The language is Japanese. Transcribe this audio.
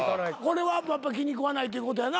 これは気に食わないっていうことやな？